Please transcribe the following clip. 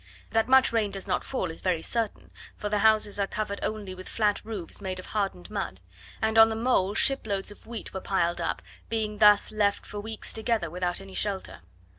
That much rain does not fall is very certain, for the houses are covered only with flat roofs made of hardened mud; and on the mole shiploads of wheat were piled up, being thus left for weeks together without any shelter.